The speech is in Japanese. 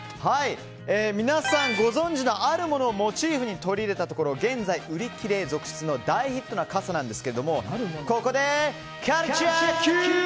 皆さん、ご存じのあるものをモチーフに取り入れたところ現在、売り切れ続出の大ヒットな傘なんですがここでカルチャーＱ！